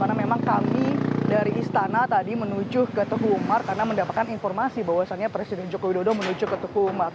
karena memang kami dari istana tadi menuju ke teguh umar karena mendapatkan informasi bahwasannya presiden joko widodo menuju ke teguh umar